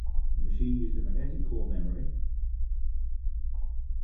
The machine used a magnetic core memory.